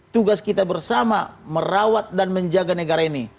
tugas kita bersama merawat dan menjaga negara ini